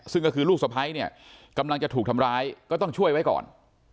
ซึ่งก็คือลูกสะพ้ายเนี่ยกำลังจะถูกทำร้ายก็ต้องช่วยไว้ก่อน